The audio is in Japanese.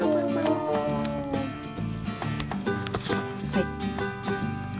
はい。